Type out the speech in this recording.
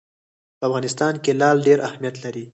په افغانستان کې لعل ډېر اهمیت لري.